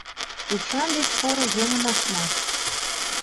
— Эчан деч поро еҥым от му.